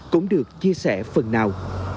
cũng được chia sẻ phần nào